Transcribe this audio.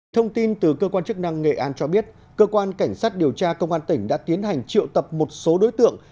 thông tin từ cơ quan chức năng nghệ an cho biết cơ quan cảnh sát điều tra công an tỉnh đã tiến hành triệu tập một số đối tượng